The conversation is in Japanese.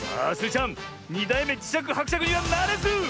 ちゃん２だいめじしゃくはくしゃくにはならず！